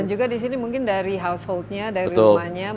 dan juga di sini mungkin dari householdnya dari rumahnya mereka belum paham